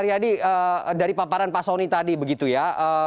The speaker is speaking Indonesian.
jadi dari paparan pak sony tadi begitu ya